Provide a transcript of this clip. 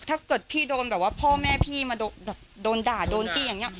ถ้าเกิดพี่โดนแบบว่าพ่อแม่พี่มาโดนด่าโดนตี้อย่างนี้